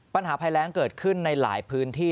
ปัญหาภัยแรงเกิดขึ้นในหลายพื้นที่